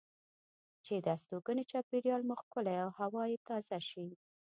چې د استوګنې چاپیریال مو ښکلی او هوا یې تازه شي.